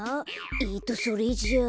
えっとそれじゃあ。